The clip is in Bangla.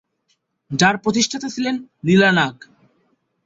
যার প্রতিষ্ঠাতা ছিলেন লীলা নাগ।